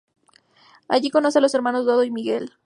Allí conoce a los hermanos Dodo y Miguel.